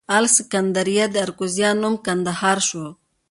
د الکسندریه اراکوزیا نوم کندهار شو